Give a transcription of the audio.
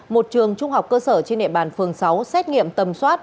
một trường trung học cơ sở trên địa bàn phường sáu xét nghiệm tầm soát